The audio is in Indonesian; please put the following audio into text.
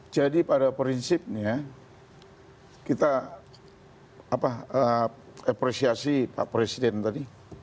jadi pada prinsipnya kita apresiasi pak presiden tadi